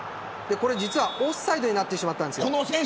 これ、実はオフサイドになってしまったんですよ。